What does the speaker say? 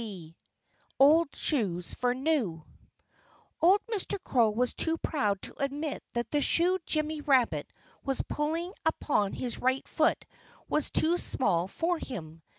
XX OLD SHOES FOR NEW Old Mr. Crow was too proud to admit that the shoe Jimmy Rabbit was pulling upon his right foot was too small for him.